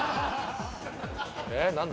えっ何だ？